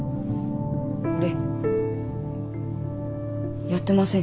俺やってません。